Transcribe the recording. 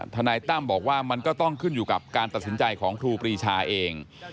นายตั้มบอกว่ามันก็ต้องขึ้นอยู่กับการตัดสินใจของครูปรีชาเอง